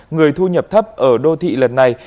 người thu nhập thấp ở đô thị lần này